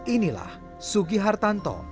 inilah sugi hartanto